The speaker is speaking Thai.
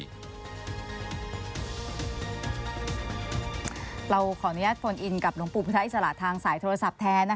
เราขออนุญาตโฟนอินกับหลวงปู่พุทธอิสระทางสายโทรศัพท์แทน